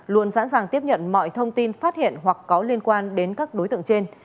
luôn sẵn sàng tiếp nhận mọi thông tin phát hiện hoặc có liên quan đến các đối tượng trên